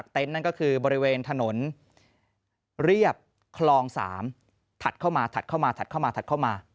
นั่นก็คือบริเวณถนนเรียบคลอง๓ถัดเข้ามาถัดเข้ามาถัดเข้ามาถัดเข้ามา